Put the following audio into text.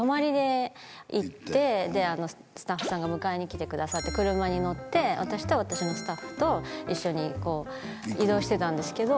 スタッフさんが迎えに来てくださって車に乗って私と私のスタッフと一緒に移動してたんですけど。